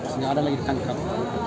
tidak ada lagi yang ditangkap